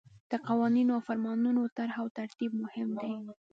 د قوانینو او فرمانونو طرح او ترتیب مهم دي.